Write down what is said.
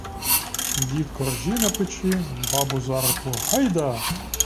Дід коржі на плечі, бабу за руку — гайда!